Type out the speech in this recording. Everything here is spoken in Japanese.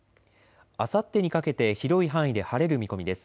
あさってにかけて広い範囲で晴れる見込みです。